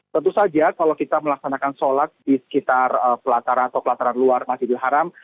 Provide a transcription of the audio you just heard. tentu saja kalau kita melaksanakan sholat di sekitar pelataran atau pelataran luar masjidil haram